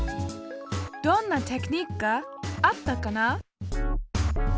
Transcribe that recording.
どんなテクニックがあったかな？